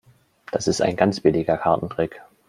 Das ist ein ganz billiger Kartentrick.